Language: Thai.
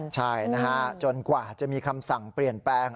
ใช่นะฮะจนกว่าจะมีคำสั่งเปลี่ยนแปลง